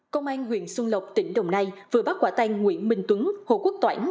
công an huyện xuân lộc tỉnh đồng nay vừa bắt quả tay nguyễn minh tuấn hồ quốc toãnh